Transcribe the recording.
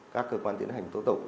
các cơ quan tiến hành tố tụng